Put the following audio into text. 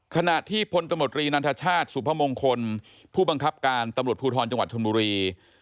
ขณะที่พลตมตรีนันทชาติสุพมงคลผู้บังคับการตำรวจภูทรจังหวัดชนบุรี